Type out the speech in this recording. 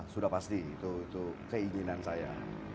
sudah pasti itu keinginan saya